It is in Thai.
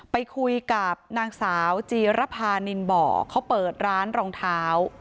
ไปคุยกับนางสาวจีรภานินบ่อเขาเปิดร้านรองเท้า